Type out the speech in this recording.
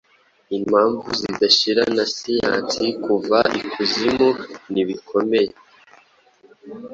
impamvu zidashira na siyansi Kuva ikuzimu n'ibikomeye,